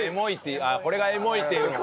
これがエモいっていうのか。